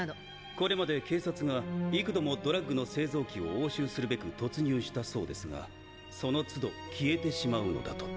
これまで警察が幾度もドラッグの製造機を押収するべく突入したそうですがそのつど消えてしまうのだと。